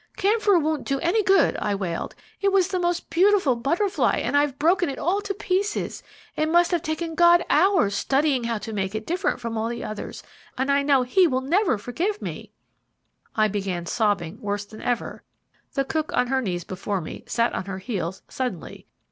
"Camphor won't do any good," I wailed. "It was the most beautiful butterfly, and I've broken it all to pieces. It must have taken God hours studying how to make it different from all the others, and I know He never will forgive me!" I began sobbing worse than ever. The cook on her knees before me sat on her heels suddenly.